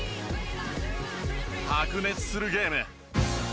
白熱するゲーム。